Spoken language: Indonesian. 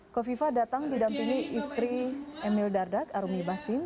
kofifa datang didampingi istri emil dardak arumi basin